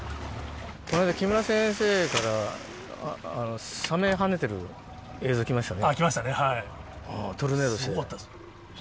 この間、きむら先生からサメ跳ねてる映像来ましたね。